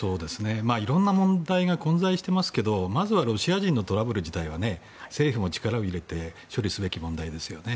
色んな問題が混在していますけどまずはロシア人のトラブル自体は政府も力を入れて処理すべき問題ですよね。